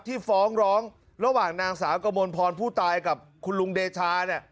ฟ้องร้องระหว่างนางสาวกมลพรผู้ตายกับคุณลุงเดชาเนี่ย